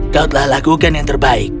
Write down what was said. kau telah lakukan yang terbaik